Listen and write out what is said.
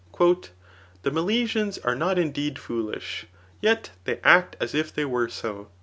The Milesians are not indeed foolish, yet they act as if they were so.